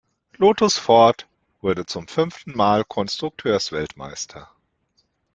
Lotus-Ford wurde zum fünften Mal Konstrukteursweltmeister.